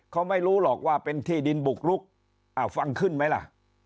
เขาไม่รู้หรอกว่าเป็นที่ดินบุกลุกฟังขึ้นไหมล่ะ